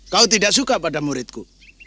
kau tidak suka pada muridku